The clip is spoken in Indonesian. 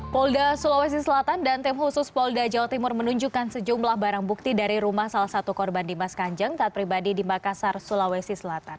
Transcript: polda sulawesi selatan dan tim khusus polda jawa timur menunjukkan sejumlah barang bukti dari rumah salah satu korban dimas kanjeng taat pribadi di makassar sulawesi selatan